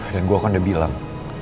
dan gue kan udah bilang